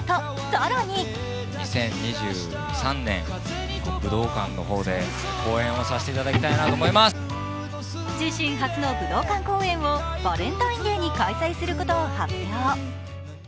更に自身初の武道館公演をバレンタインデーに開催することを発表。